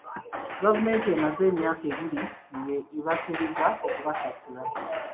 Gavumenti emaze emyaka ebiri ng'ebasuubiza okubasasula.